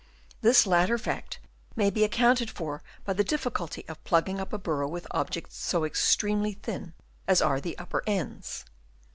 This latter fact may be accounted for by the diffi culty of plugging up a burrow with objects so extremely thin as are the upper ends.